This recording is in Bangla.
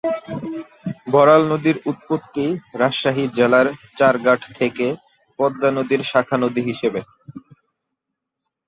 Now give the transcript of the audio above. বড়াল নদীর উৎপত্তি রাজশাহী জেলার চারঘাট থেকে পদ্মা নদীর শাখা নদী হিসেবে।